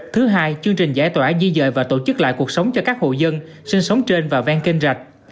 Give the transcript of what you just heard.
thứ hai chương trình giải tỏa di dời và tổ chức lại cuộc sống cho các hộ dân sinh sống trên và ven kênh rạch